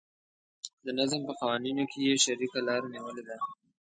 د نظم په قوانینو کې یې شریکه لاره نیولې ده.